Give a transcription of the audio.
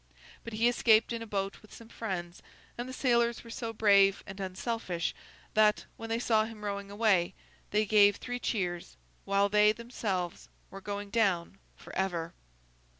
But he escaped in a boat with some friends; and the sailors were so brave and unselfish, that, when they saw him rowing away, they gave three cheers, while they themselves were going down for ever.